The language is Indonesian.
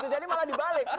jadi malah dibalik